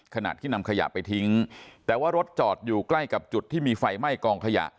ขณะที่นำขยะไปทิ้งแต่ว่ารถจอดอยู่ใกล้กับจุดที่มีไฟไหม้กองขยะ